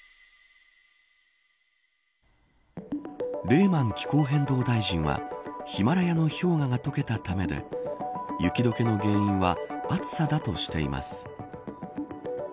レーマン気候変動大臣はヒマラヤの氷河が解けたためで雪解けの原因は暑さだとしています。